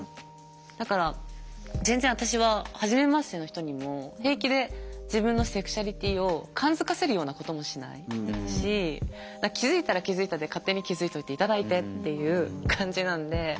だから全然私は初めましての人にも平気で自分のセクシュアリティーを感づかせるようなこともしないし気付いたら気付いたで勝手に気付いておいていただいてっていう感じなんで。